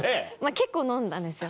結構飲んだんですよ。